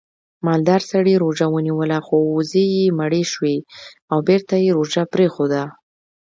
مالدار سړي روژه ونیوله خو وزې یې مړې شوې او بېرته یې روژه پرېښوده